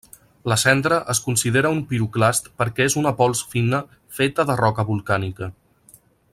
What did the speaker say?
La cendra es considera un piroclast perquè és una pols fina feta de roca volcànica.